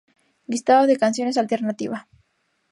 Listado de canciones Alternativa